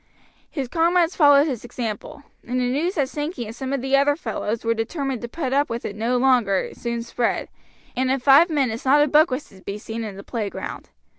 His comrades followed his example, and the news that Sankey and some of the other fellows were determined to put up with it no longer soon spread, and in five minutes not a book was to be seen in the playground.